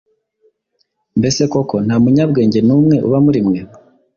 Mbese koko, nta munyabwenge n’umwe uba muri mwe,